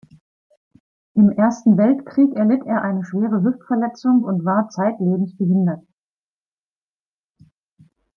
Im Ersten Weltkrieg erlitt er eine schwere Hüftverletzung und war zeitlebens behindert.